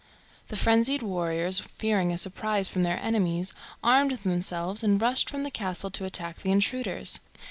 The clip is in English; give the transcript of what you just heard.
The frenzied warriors, fearing a surprise from their enemies, armed themselves and rushed from the castle to attack the intruders.